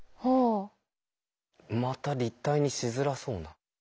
また立体にしづらそうな。